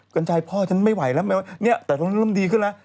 กันชายพ่อฉันไม่ไหวแล้วแต่เริ่มดีขึ้นแล้ว